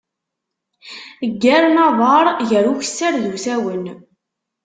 Ggaren aḍar, gar ukessar d usawen.